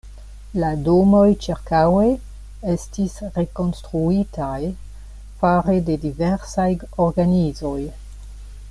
La domoj ĉirkaŭe estis rekonstruitaj fare de diversaj organizoj.